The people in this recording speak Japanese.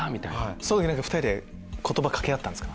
その時２人で言葉掛け合ったんですか？